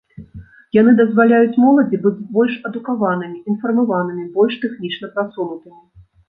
Яны дазваляюць моладзі быць больш адукаванымі, інфармаванымі, больш тэхнічна прасунутымі.